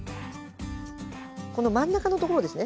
この真ん中のところですね。